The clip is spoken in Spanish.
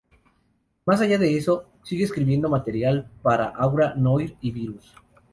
Más allá de eso, sigue escribiendo material para Aura Noir y Virus.